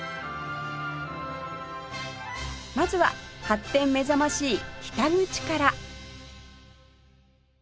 まずは発展目覚ましい北口から